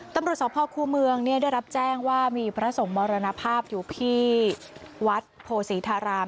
ตำรวจสภคูเมืองได้รับแจ้งว่ามีพระสงฆ์มรณภาพอยู่ที่วัดโพศีธาราม